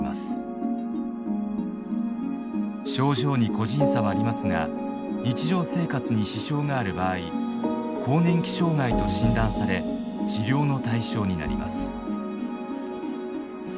症状に個人差はありますが日常生活に支障がある場合更年期障害と診断され治療の対象になります。